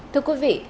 thưa quý vị